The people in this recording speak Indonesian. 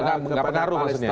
gak penaruh maksudnya